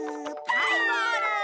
はいゴール！